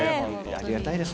ありがたいです。